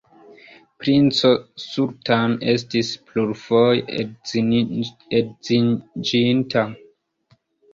Princo Sultan estis plurfoje edziĝinta.